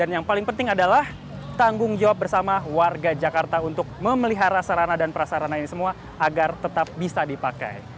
yang paling penting adalah tanggung jawab bersama warga jakarta untuk memelihara sarana dan prasarana ini semua agar tetap bisa dipakai